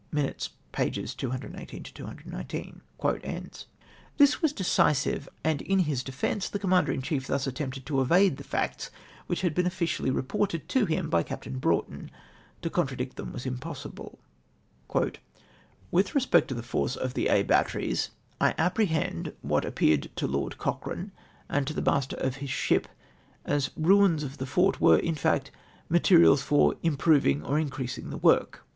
(Miuides, pp. 218, 219.) This was decisive, and in liis defence, the Comman der in cliief thus attempted to evade the facts which liad been officially reported to him by Captain Brougli ton. To contradict them was impossible. " With respect to the force of the Aix batteries, I appre hend what appeared to Lord Cochrane and to the master of his ship as ruins of the fort were, in fact, materials for im proving or increasing tlie ivorh!